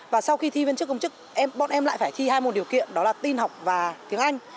và sau khi thi viên chức công chức bọn em lại phải thi hai một điều kiện đó là tin học và tiếng anh